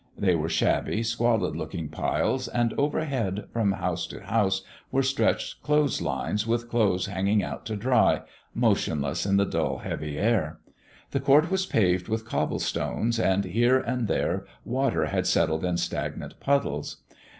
They were shabby, squalid looking piles, and overhead, from house to house, were stretched clothes lines, with clothes hanging out to dry, motionless in the dull, heavy air. The court was paved with cobble stones, and here and there water had settled in stagnant puddles.